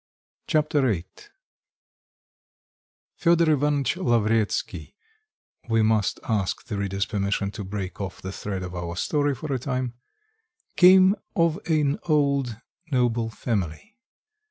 Chapter VIII Fedor Ivanitch Lavretsky we must ask the reader's permission to break off the thread of our story for a time came of an old noble family.